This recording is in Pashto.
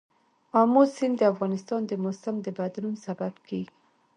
آمو سیند د افغانستان د موسم د بدلون سبب کېږي.